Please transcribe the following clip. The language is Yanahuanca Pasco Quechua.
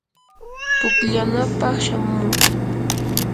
pukllanapaq shamunki.